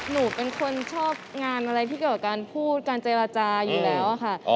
หนูเป็นคนชอบงานอะไรที่เกี่ยวกับการพูดการเจรจาอยู่แล้วค่ะ